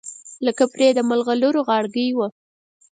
لکه پرې د مرغلرو غاړګۍ وه